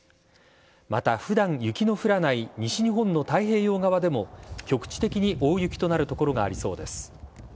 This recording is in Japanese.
またふだん雪の降らない西日本の太平洋側でも、局地的に大雪となる所がありそうです。